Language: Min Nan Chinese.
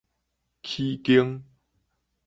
齒弓